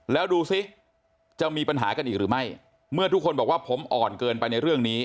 แล้วดูสิจะมีปัญหากันอีกหรือไม่เมื่อทุกคนบอกว่าผมอ่อนเกินไปในเรื่องนี้